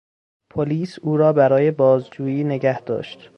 پلیس او را برای بازجویی نگهداشت.